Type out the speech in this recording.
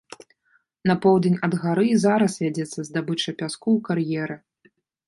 На поўдзень ад гары і зараз вядзецца здабыча пяску ў кар'еры.